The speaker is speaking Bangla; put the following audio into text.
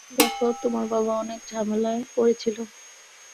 দ্যাখো, তোমার বাবা অনেক ঝামেলায় পড়েছিল।